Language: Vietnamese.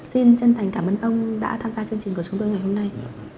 xin chân thành cảm ơn ông đã tham gia chương trình của chúng tôi ngày hôm nay